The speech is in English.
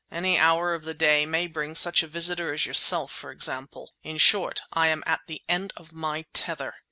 Any hour of the day may bring such a visitor as yourself, for example. In short, I am at the end of my tether."